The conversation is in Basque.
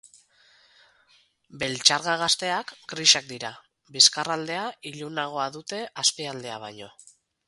Beltxarga gazteak grisak dira, bizkarraldea ilunagoa dute azpialdea baino.